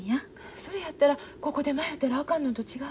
それやったらここで迷うたらあかんのんと違う？